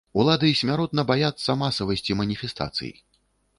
Улады смяротна баяцца масавасці маніфестацый.